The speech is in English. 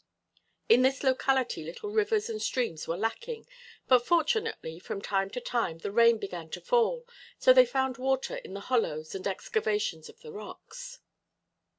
In this locality little rivers and streams were lacking, but fortunately from time to time the rain began to fall, so they found water in the hollows and excavations of the rocks.